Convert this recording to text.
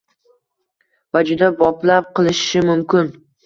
Va juda boplab qilishi mumkin